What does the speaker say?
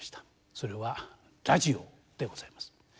それはラジオでございます。